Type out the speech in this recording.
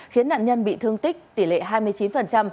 khiến nạn nhân bị thương tích tỷ lệ hai mươi chín